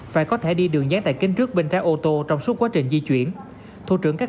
phải có thẻ đi đường nhán tại kính trước bên trái ô tô trong suốt quá trình di chuyển thủ trưởng các